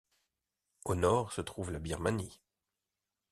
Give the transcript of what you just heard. Au nord se trouve la Birmanie.